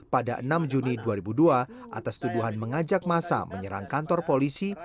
pada enam juni dua ribu dua atas tuduhan mengajak masa menyerang kantor polisi